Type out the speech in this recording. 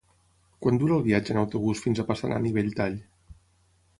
Quant dura el viatge en autobús fins a Passanant i Belltall?